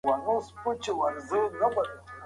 اګوستين د تاريخ په اړه کلي نظر درلود.